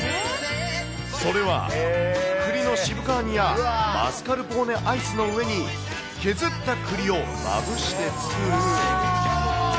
それはくりの渋皮煮や、マスカルポーネアイスの上に削ったくりをまぶして作る。